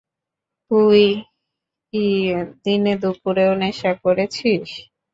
তুই কি দিনেদুপুরেও নেশা করেছিস?